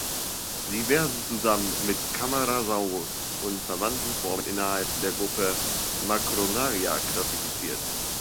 Sie werden zusammen mit "Camarasaurus" und verwandten Formen innerhalb der Gruppe Macronaria klassifiziert.